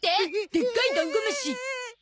でっかいダンゴムシ。